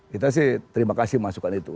kita sih terima kasih masukan itu